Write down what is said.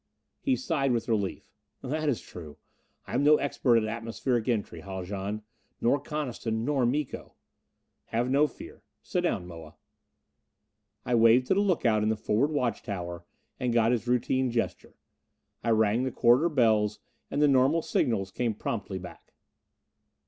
He sighed with relief. "That is true. I am no expert at atmospheric entry, Haljan nor Coniston, nor Miko." "Have no fear. Sit down, Moa." I waved to the look out in the forward watch tower, and got his routine gesture. I rang the corridor bells, and the normal signals came promptly back.